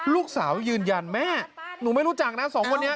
ยืนยันแม่หนูไม่รู้จักนะสองคนนี้